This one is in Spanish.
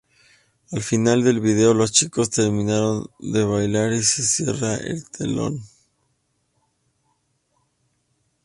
Al final del video los chicos terminan de bailar y se cierra el telón.